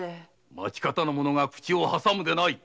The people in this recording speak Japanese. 町方の者が口を挟むでない。